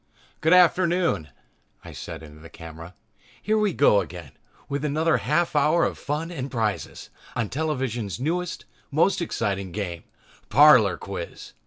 "Good afternoon," I said into the camera, "here we go again with another half hour of fun and prizes on television's newest, most exciting, game, 'Parlor Quiz.'